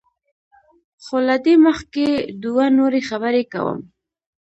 خو له دې مخکې دوه نورې خبرې کوم.